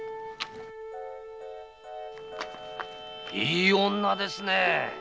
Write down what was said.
いい女ですね。